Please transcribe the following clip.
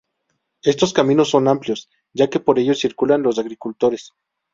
Estos caminos son amplios ya que por ellos circulan los agricultores.